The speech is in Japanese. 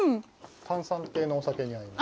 炭酸系のお酒に合います。